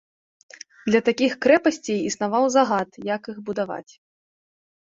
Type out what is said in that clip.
Для такіх крэпасцей існаваў загад, як іх будаваць.